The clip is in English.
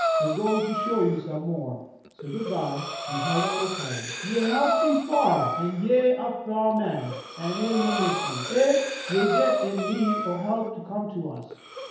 We're goin' to show you some more. So good by." He held out his hand. "Ye helped see f'ar, an' ye're a f'ar man, an' we'll miss ye. Ef ye git in need o' help come to us.